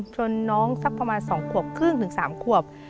น้องสักประมาณ๒ขวบครึ่งถึง๓ขวบ